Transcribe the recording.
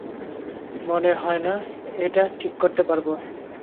মনে হয় না এটা ঠিক করতে পারব।